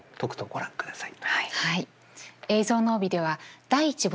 ご覧ください。